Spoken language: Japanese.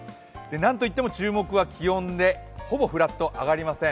なんといっても注目は気温で、ほぼフラット、上がりません。